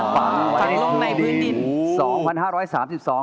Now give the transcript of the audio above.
ฝังไว้ในผืนดิน